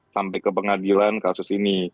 sampai ke pengadilan kasus ini